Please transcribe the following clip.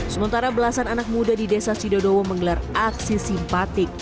sementara belasan anak muda di desa sidodowo menggelar aksi simpatik